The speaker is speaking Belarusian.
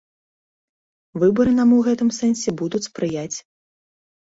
Выбары нам у гэтым сэнсе будуць спрыяць.